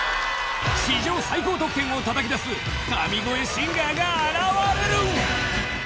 史上最高得点をたたき出す神声シンガーが現れる！